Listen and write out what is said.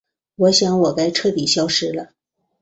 我想我该彻底消失了。